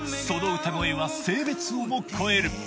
その歌声は性別をも超える